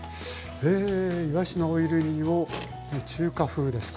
へいわしのオイル煮を中華風ですか。